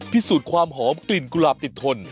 พิสูจน์ความหอมกลิ่นกุหลาบติดทน